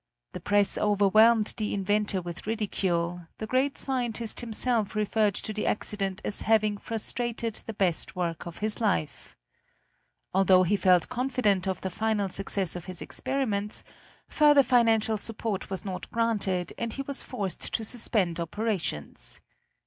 The press overwhelmed the inventor with ridicule; the great scientist himself referred to the accident as having frustrated the best work of his life. Although he felt confident of the final success of his experiments, further financial support was not granted and he was forced to suspend operations.